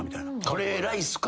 カレーライスか？